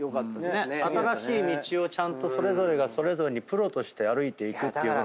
新しい道をちゃんとそれぞれがそれぞれにプロとして歩いていくっていうものが見れて。